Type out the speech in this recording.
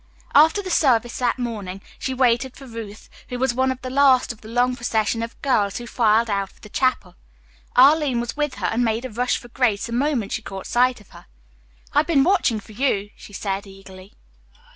After the service that morning she waited for Ruth, who was one of the last of the long procession of girls who filed out of the chapel. Arline was with her and made a rush for Grace the moment she caught sight of her. "I have been watching for you," she said eagerly.